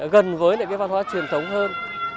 gần với lại cái văn hóa truyền thống hơn